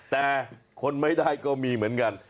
แต่คนไม่ได้ก็มีเหมือนกัน